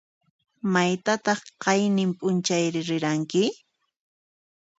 Maytataq qayninp'unchayri riranki?